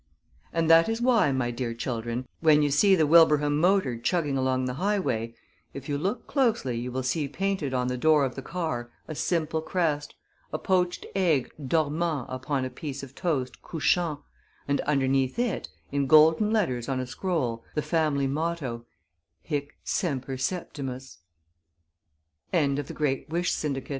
And that is why, my dear children, when you see the Wilbraham motor chugging along the highway, if you look closely you will see painted on the door of the car a simple crest, a poached egg dormant upon a piece of toast couchant, and underneath it, in golden letters on a scroll, the family